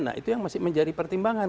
nah itu yang masih menjadi pertimbangan